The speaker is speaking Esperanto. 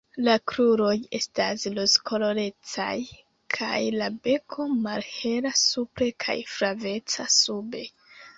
La kruroj estas rozkolorecaj kaj la beko malhela supre kaj flaveca sube.